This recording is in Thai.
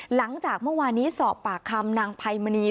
หลังจากเมื่อวานี้สอบปากคำนางไพมณี